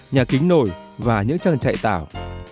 nhà kính nổi và những trang trại tảo